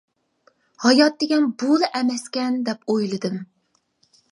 ھايات دېگەن بۇلا ئەمەسكەن دەپ ئويلىدىم.